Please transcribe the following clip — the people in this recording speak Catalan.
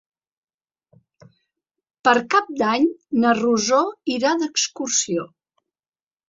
Per Cap d'Any na Rosó irà d'excursió.